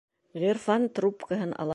Ғирфан трубкаһын ала.